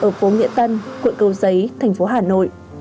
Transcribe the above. ngôi nhà nhỏ ở phố nghĩa tân quận cầu giấy thành phố hà nội